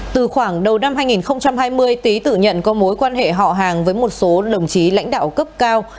từ khoảng đầu năm hai nghìn hai mươi tý tự nhận có mối quan hệ họ hàng với một số đồng chí lãnh đạo cấp cao